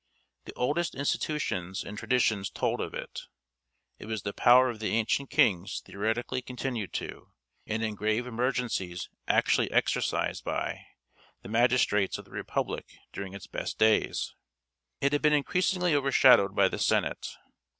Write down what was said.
The oldest institutions and traditions told of it. It was the power of the ancient kings theoretically continued to, and in grave emergencies actually exercised by, the magistrates of the Republic during its best days. It had been increasingly overshadowed by the Senate.